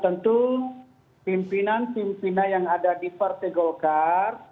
tentu pimpinan pimpinan yang ada di partai golkar